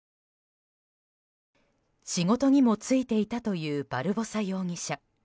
仕事にも就いていたというバルボサ容疑者。